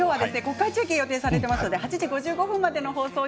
国会中継が予定されていますので８時５５分までです。